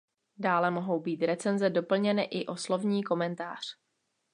Dále mohou být recenze doplněny i o slovní komentář.